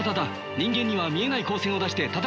人間には見えない光線を出して戦っているんだ。